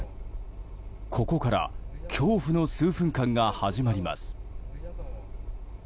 ここから恐怖の数分間が始まります。